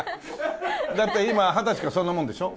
だって今二十歳かそんなもんでしょ？